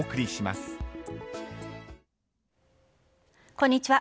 こんにちは。